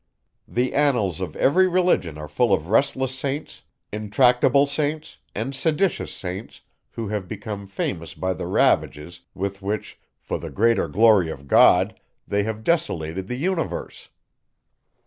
The annals of every religion are full of restless Saints, intractable Saints, and seditious Saints, who have become famous by the ravages, with which, for the greater glory of God, they have desolated the universe.